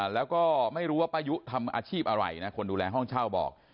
แล้วก็ไม่รู้ว่าป้ายุทำอาชีพอะไรนะคนดูแลห้องเช่าบอก